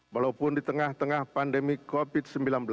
walaupun di tengah tengah pandemi covid sembilan belas